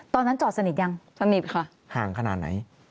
ตอนนั้นจอดสนิทยังสนิทค่ะห่างขนาดไหน